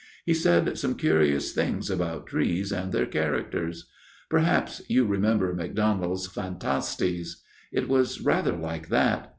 He said some curious things about trees and their characters. Perhaps you remember MacDonald's Phantasies. It was rather like that.